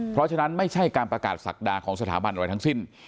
เพราะฉะนั้นไม่ใช่การประกาศศักดาของสถาบันอะไรทั้งสิ้น